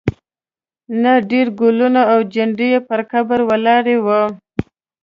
نه ډېر ګلونه او جنډې یې پر قبر ولاړې وې.